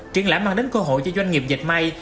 triển lãm mang đến cơ hội cho doanh nghiệp dịch may